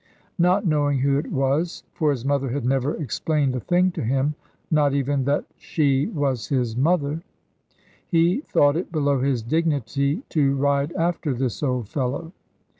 Not knowing who it was (for his mother had never explained a thing to him, not even that she was his mother), he thought it below his dignity to ride after this old fellow.